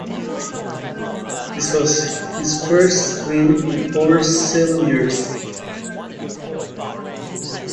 This was his first win in over seven years.